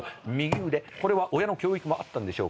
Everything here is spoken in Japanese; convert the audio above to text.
これは親の教育もあったんでしょうか。